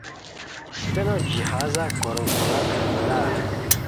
سپینو جہازا کوروم کوراک (ملاح)